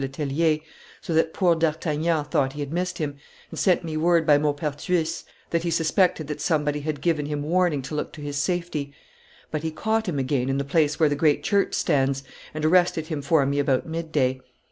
Le Tellier, so that poor D'Artagnan thought he had missed him, and sent me word by Maupertuis that he suspected that somebody had given him warning to look to his safety; but he caught him again in the place where the great church stands, and arrested him for me about midday.